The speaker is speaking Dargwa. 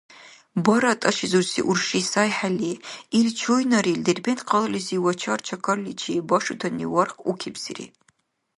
Бара тӀашизурси урши сайхӀели, ил чуйнарил Дербент-къалализи вачар-чакарличи башутани варх укибсири.